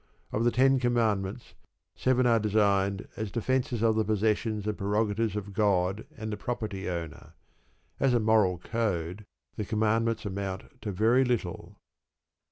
Of the Ten Commandments, seven are designed as defences of the possessions and prerogatives of God and the property owner. As a moral code the Commandments amount to very little.